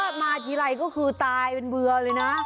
ถ้ามาทีไรก็คือตายเป็นเบื่อเลยนะ